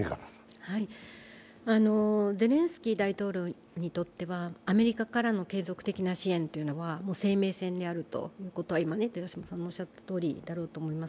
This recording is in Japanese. ゼレンスキー大統領にとってはアメリカからの継続的支援は生命線であるということは寺島さんのおっしゃったとおりだろうと思います。